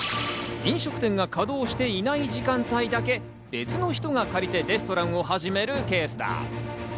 飲食店が稼動していない時間帯だけ別の人が借りて、レストランを始めるケースだ。